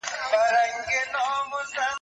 زه اجازه لرم چي لوبه وکړم،